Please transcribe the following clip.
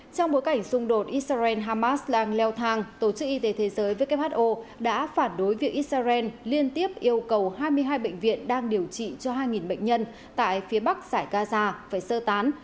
trong bối cảnh xung đột israel hamas đang leo thang tổ chức y tế thế giới who đã phản đối việc israel liên tiếp yêu cầu hai mươi hai bệnh viện đang điều trị cho hai bệnh nhân tại phía bắc giải gaza phải sơ tán